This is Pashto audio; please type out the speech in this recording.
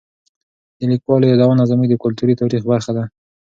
د لیکوالو یادونه زموږ د کلتوري تاریخ برخه ده.